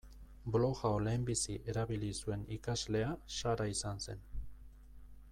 Blog hau lehenbizi erabili zuen ikaslea Sara izan zen.